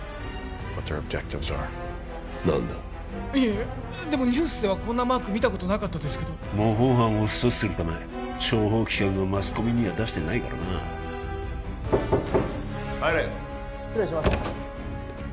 いえでもニュースではこんなマーク見たことなかったですけど模倣犯を阻止するため諜報機関がマスコミには出してないからな入れ失礼します